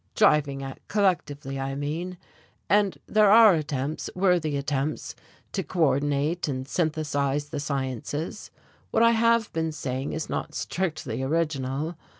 "Driving at collectively, I mean. And there are attempts, worthy attempts, to coordinate and synthesize the sciences. What I have been saying is not strictly original.